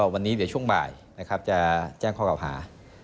วันนี้เดี๋ยวช่วงบ่ายจะแจ้งข้อเก่าหา